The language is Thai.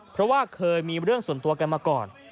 เพราะว่าเคยมีเรื่องส่วนตัวกันมาก่อน